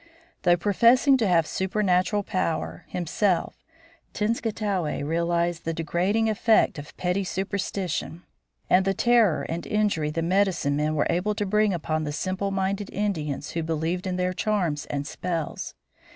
Though professing to have supernatural power himself, Tenskwatawa realized the degrading effect of petty superstition and the terror and injury the medicine men were able to bring upon the simple minded Indians who believed in their charms and spells.